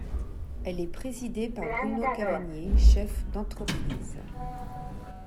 Elle est présidée par Bruno Cavagné, chef d'entreprise.